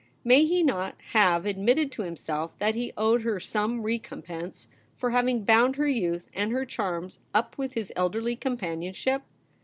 May he not have admitted to himself that he owed her some recompense for having bound her youth and her charms up with his elderly companionship